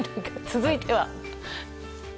続いては。